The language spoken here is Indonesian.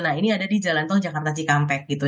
nah ini ada di jalan tol jakarta cikampek gitu